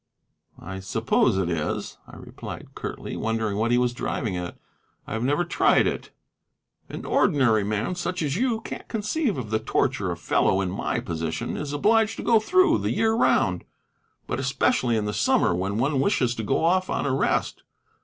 "I suppose it is," I replied curtly, wondering what he was driving at; "I have never tried it." "An ordinary man, such as you, can't conceive of the torture a fellow in my position is obliged to go through the year round, but especially in the summer, when one wishes to go off on a rest.